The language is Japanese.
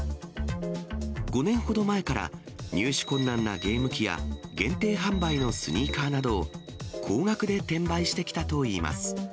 ５年ほど前から、入手困難なゲーム機や、限定販売のスニーカーなど、高額で転売してきたといいます。